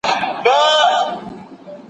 ښايي په راتلونکي کي ستونزې حل سي.